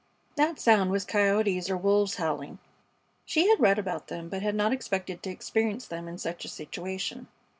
That sound was coyotes or wolves howling. She had read about them, but had not expected to experience them in such a situation.